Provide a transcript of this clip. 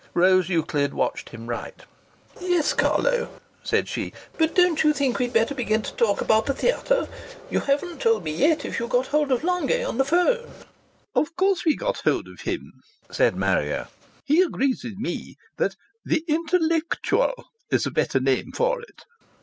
Rose Euclid watched him write. "Yes, Carlo," said she. "But don't you think we'd better begin to talk about the theatre? You haven't told me yet if you got hold of Longay on the 'phone." "Of course we got hold of him," said Marrier. "He agrees with me that 'The Intellectual' is a better name for it."